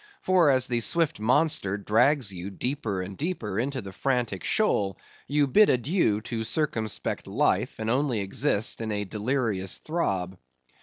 For as the swift monster drags you deeper and deeper into the frantic shoal, you bid adieu to circumspect life and only exist in a delirious throb.